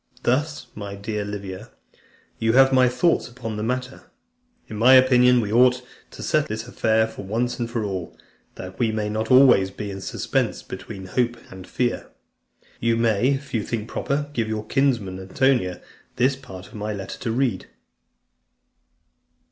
Thus, my dear Livia, you have my thoughts upon the matter. In my opinion, we ought to (299) settle this affair once for all, that we may not be always in suspense between hope and fear. You may, if you think proper, give your kinsman Antonia this part of my letter to read."